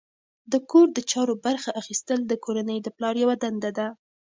د کور د چارو برخه اخیستل د کورنۍ د پلار یوه دنده ده.